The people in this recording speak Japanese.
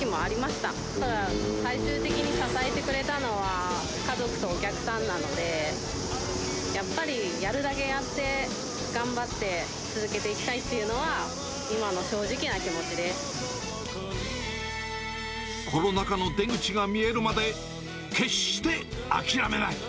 ただ、最終的に支えてくれたのは、家族とお客さんなので、やっぱり、やるだけやって頑張って、続けてコロナ禍の出口が見えるまで、決して諦めない！